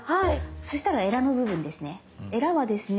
そしたらエラの部分ですね。